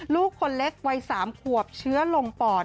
ลูกคนเล็กวัย๓ขวบเชื้อลงปอด